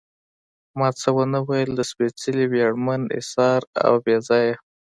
ما څه ونه ویل، د سپېڅلي، ویاړمن، اېثار او بې ځایه.